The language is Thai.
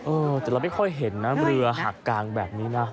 เออแต่เราไม่ค่อยเห็นนะเรือหักกลางแบบนี้นะ